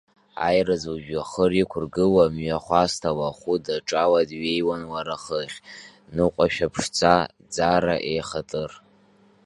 Аирыӡ лыжәҩахыр иқәыргыла, мҩахәасҭала ахәы даҿала дҩеиуан лара хыхь, ныҟәашәа ԥшӡа, ӡара еихатыр.